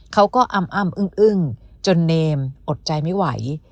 อ้ำอึ้งจนเนมอดใจไม่ไหว